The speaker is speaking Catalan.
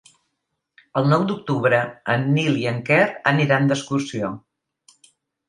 El nou d'octubre en Nil i en Quer aniran d'excursió.